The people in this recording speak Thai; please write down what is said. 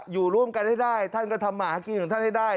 อยู่ร่วมกันให้ได้ท่านก็ทำมาหากินของท่านให้ได้